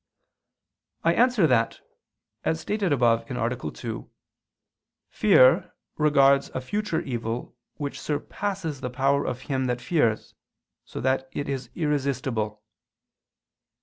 I answer that, As stated above (A. 2), fear regards a future evil which surpasses the power of him that fears, so that it is irresistible.